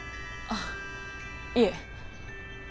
あっいえ。